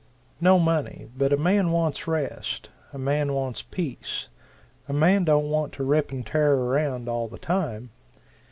No money, but a man wants rest, a man wants peace a man don't want to rip and tear around all the time.